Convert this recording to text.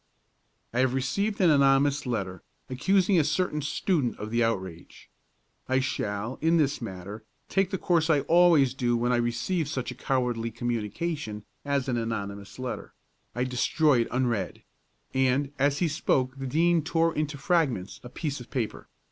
"I have received an anonymous letter, accusing a certain student of the outrage. I shall, in this matter, take the course I always do when I receive such a cowardly communication as an anonymous letter I destroy it unread," and, as he spoke the Dean tore into fragments a piece of paper.